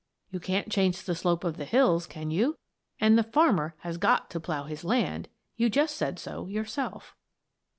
"You can't change the slope of the hills, can you? And the farmer has got to plough his land you just said so yourself."